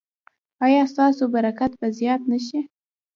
ایا ستاسو برکت به زیات نه شي؟